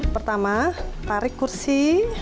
pertama tarik kursi